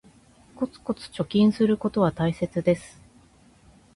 コツコツ貯金することは大切です